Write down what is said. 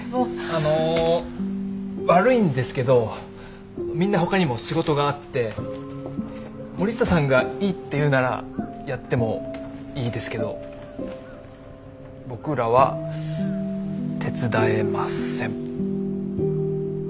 あの悪いんですけどみんなほかにも仕事があって森下さんがいいって言うならやってもいいですけど僕らは手伝えません。